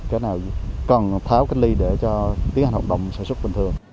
cái nào còn tháo cách ly để cho tiến hành hợp đồng sản xuất bình thường